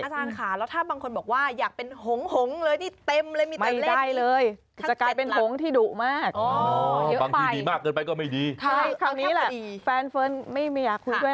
อาจารย์ค่ะแล้วถ้าบางคนบอกว่าอยากเป็นหงเลย